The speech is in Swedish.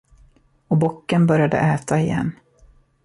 Och bocken började äta igen.